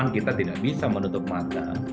kita tidak bisa menutup mata